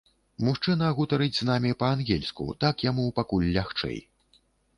Мужчына гутарыць з намі па-ангельску, так яму пакуль лягчэй.